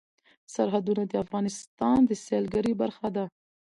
سرحدونه د افغانستان د سیلګرۍ برخه ده.